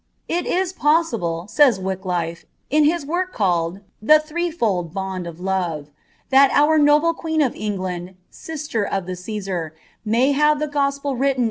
•• It is possible," says WickliiTo, in his work called the ' Threefold Bond «f Lo»e,' " ihot our noble queen of England, sisier of the Oesar, may have ■CWnulifi'a R«iiiuna.